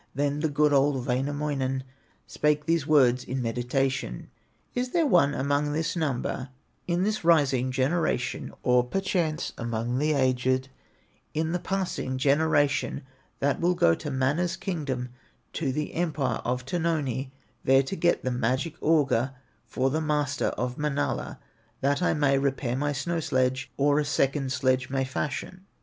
Then the good, old Wainamoinen Spake these words in meditation: "Is there one among this number, In this rising generation, Or perchance among the aged, In the passing generation, That will go to Mana's kingdom, To the empire of Tuoni, There to get the magic auger From the master of Manala, That I may repair my snow sledge, Or a second sledge may fashion?"